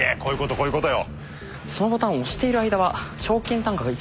こういうことよ。